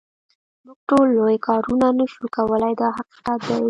موږ ټول لوی کارونه نه شو کولای دا حقیقت دی.